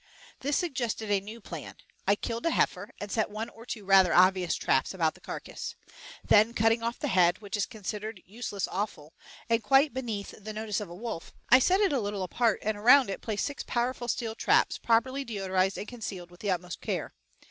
This suggested a new plan. I killed a heifer, and set one or two rather obvious traps about the carcass. Then cutting off the head, which is considered useless offal, and quite beneath the notice of a wolf, I set it a little apart and around it placed six powerful steel traps properly deodorized and concealed with the utmost care.